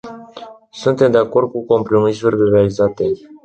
Suntem de acord cu compromisurile realizate.